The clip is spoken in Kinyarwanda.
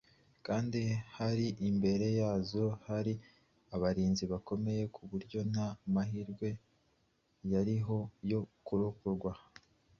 kandi hari imbere yazo hari abarinzi bakomeye ku buryo nta mahirwe yariho yo kurokorwa